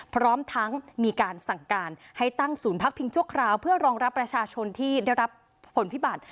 พร้อมทั้งมีการสั่งการให้ตั้งศูนย์พักพิงชั่วคราวเพื่อรองรับประชาชนที่ได้รับผลพิบัติ